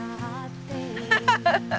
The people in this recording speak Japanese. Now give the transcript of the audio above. ハハハハ！